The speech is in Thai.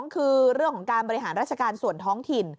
คือเรื่องของการบริหารราชการส่วนท้องถิ่น